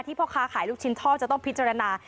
พ่อค้าขายลูกชิ้นท่อจะต้องพิจารณา